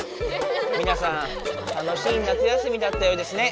みなさん楽しい夏休みだったようですね。